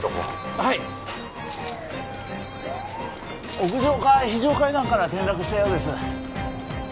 ・はい屋上か非常階段から転落したようです